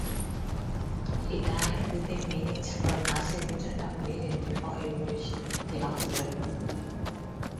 He died within minutes from massive internal bleeding before he reached the hospital.